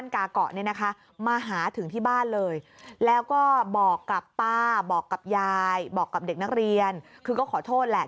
ทีนี้เมื่อวันพระรหัสสมดีที่ผ่านมา